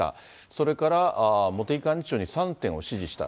それから茂木幹事長に３点を指示した。